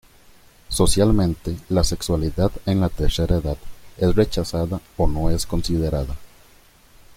Socialmente la sexualidad en la tercera edad es rechazada o no es considerada.